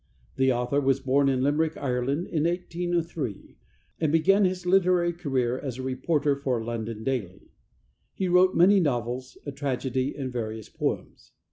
The author was born in Limerick, Ireland, in 1803, and began his literary career as a reporter for a London daily. He wrote many novels, a tragedy and various poems.